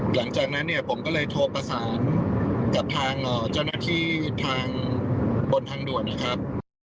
หลังจากนั้นเนี่ยผมก็เลยโทรประสานกับทางเจ้าหน้าที่ทางบนทางด่วนนะครับ